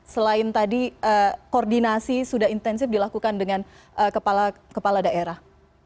selain tadi koordinasi sudah intensif dilakukan dengan kepala daerah